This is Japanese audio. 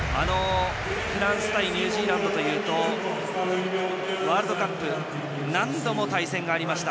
フランス対ニュージーランドというとワールドカップで何度も対戦がありました。